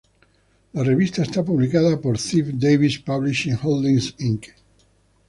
La revista está publicada por "Ziff-Davis Publishing Holdings Inc".